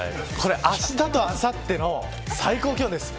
あしたとあさっての最高気温です。